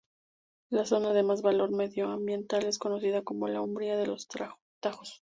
La zona de más valor medioambiental es conocida como la "Umbría de los Tajos".